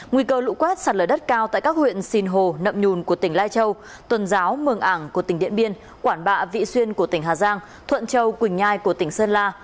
nguy cơ lũ quét sạt lở đất cao tại các huyện sinh hồ nậm nhùn của tỉnh lai châu tuần giáo mường ảng của tỉnh điện biên quản bạ vị xuyên của tỉnh hà giang thuận châu quỳnh nhai của tỉnh sơn la